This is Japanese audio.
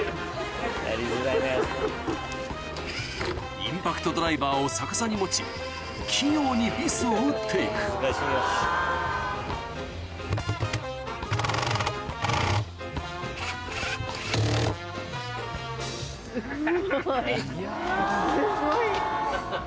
インパクトドライバーを逆さに持ち器用にビスを打って行くすごい。